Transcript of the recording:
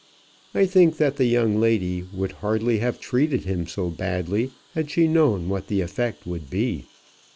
I think that the young lady would hardly have treated him so badly had she known what the effect would be.